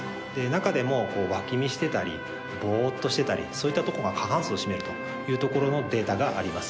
中でも脇見してたりぼっとしてたりそういったとこが過半数を占めるというところのデータがあります。